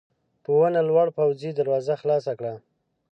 په ونه لوړ پوځي دروازه خلاصه کړه.